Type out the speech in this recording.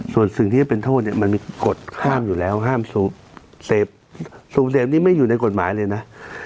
ส่วนสิ่งที่จะเป็นโทษเนี่ยมันมีกฎห้ามอยู่แล้วห้ามสูบเสพสูบเสพนี้ไม่อยู่ในกฎหมายเลยนะ